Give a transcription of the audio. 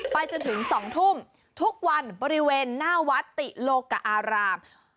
ไปจนถึง๒ทุ่มทุกวันบริเวณหน้าวัดติโลกะอาราม